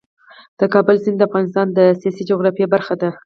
د کابل سیند د افغانستان د سیاسي جغرافیه برخه ده.